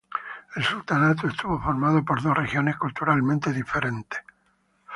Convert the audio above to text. El sultanato estuvo formado por dos regiones culturalmente diferente.